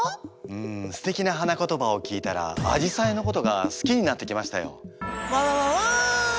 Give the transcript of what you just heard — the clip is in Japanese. うんステキな花言葉を聞いたらアジサイのことが好きになってきましたよ。